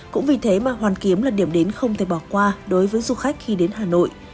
cũng vì thế mà hoàn kiếm là điểm đến không thể bỏ qua đối với du khách khi đến hà nội